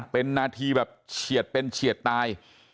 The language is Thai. เป็นนาทีแบบเฉียดเป็นเฉียดตาย